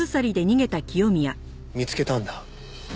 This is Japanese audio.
見つけたんだ